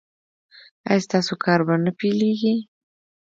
ایا ستاسو کار به نه پیلیږي؟